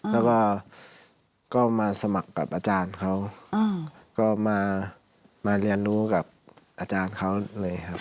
แล้วก็มาสมัครกับอาจารย์เขาก็มาเรียนรู้กับอาจารย์เขาเลยครับ